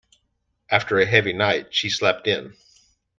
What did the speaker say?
After a heavy night, she slept in.